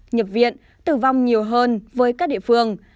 nhập viện tử vong nhiều hơn với các địa phương